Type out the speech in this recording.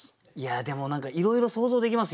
でも何かいろいろ想像できますよ。